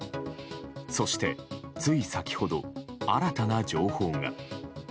そしてつい先ほど新たな情報が。